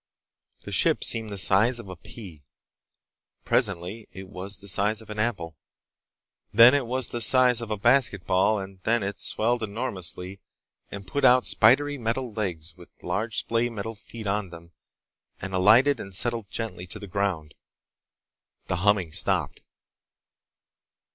The ship seemed the size of a pea. Presently it was the size of an apple. Then it was the size of a basketball, and then it swelled enormously and put out spidery metal legs with large splay metal feet on them and alighted and settled gently to the ground. The humming stopped.